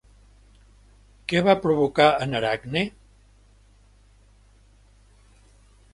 Què va provocar en Aracne?